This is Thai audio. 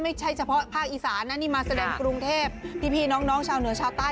เฉพาะภาคอีสานนะนี่มาแสดงกรุงเทพพี่น้องชาวเหนือชาวใต้